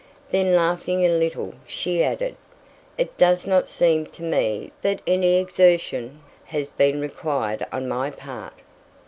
Then laughing a little, she added, "It does not seem to me that any exertion has been required on my part."